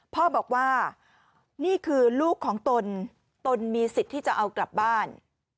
พ่อบอกว่านี่คือลูกของตนตนมีสิทธิ์ที่จะเอากลับบ้าน